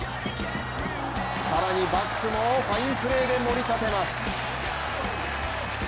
更にバックもファインプレーでもり立てます。